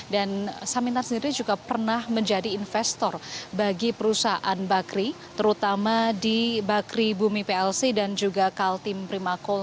dan samintan sendiri juga pernah menjadi investor bagi perusahaan bakri terutama di bakri bumi plc dan juga kaltim primakol